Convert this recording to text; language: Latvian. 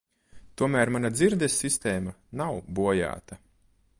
Tomēr mana dzirdes sistēma nav bojāta.